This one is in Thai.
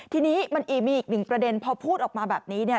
ทีนี้มันมีอีกหนึ่งประเด็นพอพูดออกมาแบบนี้เนี่ย